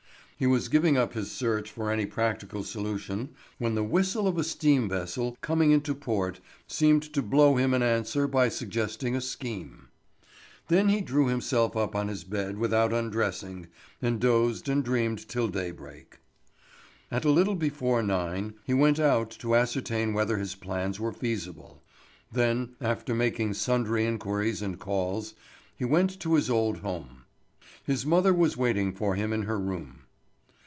He was giving up his search for any practical solution when the whistle of a steam vessel coming into port seemed to blow him an answer by suggesting a scheme. Then he threw himself on his bed without undressing, and dozed and dreamed till daybreak. At a little before nine he went out to ascertain whether his plans were feasible. Then, after making sundry inquiries and calls, he went to his old home. His mother was waiting for him in her room.